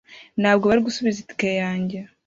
ntabwo bari gusubiza itike yanjye